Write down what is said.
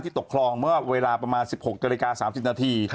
ตกคลองเมื่อเวลาประมาณ๑๖นาฬิกา๓๐นาที